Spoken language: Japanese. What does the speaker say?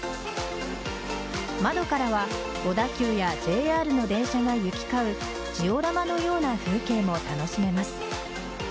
窓からは小田急やＪＲの電車が行き交うジオラマのような風景も楽しめます。